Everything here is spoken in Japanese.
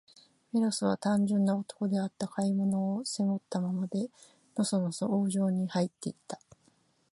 メロスは、単純な男であった。買い物を、背負ったままで、のそのそ王城にはいって行った。